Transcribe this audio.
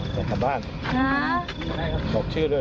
ส่งกลับบ้านบอกชื่อด้วย